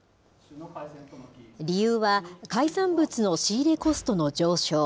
理由は、海産物の仕入れコストの上昇。